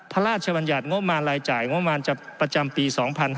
พระราชบรรยัตน์งบมานรายจ่ายงบมันประจำปี๒๕๖๕